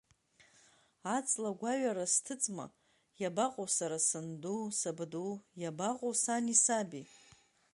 Аҵла гәаҩара сҭыҵма, иабаҟоу сара санду, сабду, иабаҟоу сани саби?